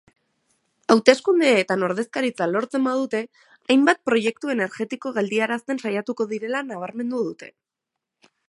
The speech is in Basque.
Hauteskundeetan ordezkaritza lortzen badute, hainbat proiektu energetiko geldiarazten saiatuko direla nabarmendu dute.